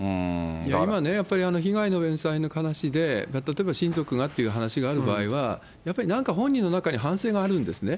今ねやっぱり、被害の弁済の話で、例えば親族がっていう話がある場合は、やっぱりなんか本人の中に反省があるんですね。